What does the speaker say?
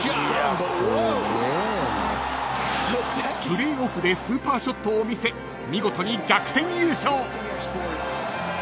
［プレーオフでスーパーショットを見せ見事に逆転優勝］